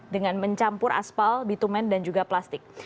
dengan mencampur aspal bitumen dan juga plastik